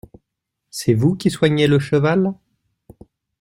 C’est vous qui soignez le cheval ?